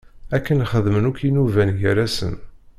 Akken xeddmen akk yinuban gar-asen.